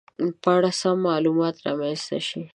په اړه سم معلومات رامنځته شي